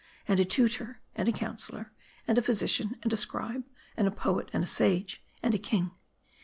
And a tutor, and a counselor, and a physician, and a scribe, and a poet; and a sage, and a king.